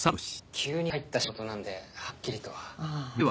急に入った仕事なんではっきりとは。